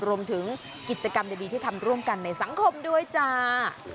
รวมถึงกิจกรรมดีที่ทำร่วมกันในสังคมด้วยจ้า